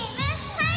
はい！